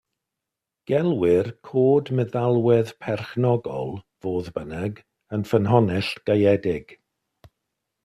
Gelwir cod meddalwedd perchnogol, fodd bynnag, yn ffynhonnell gaeedig.